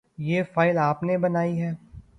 یہ فائل آپ نے بنائی ہے ؟